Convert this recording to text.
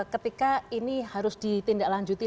ketika ini harus ditindaklanjuti